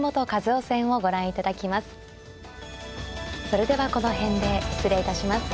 それではこの辺で失礼いたします。